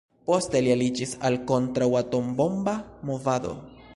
Poste li aliĝis al kontraŭ-atombomba movado.